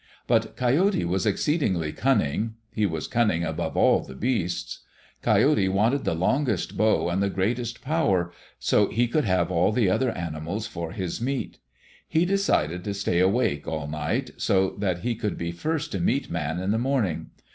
But Coyote was exceedingly cunning he was cunning above all the beasts. Coyote wanted the longest bow and the greatest power, so he could have all the other animals for his meat. He decided to stay awake all night, so that he would be first to meet Man in the morning.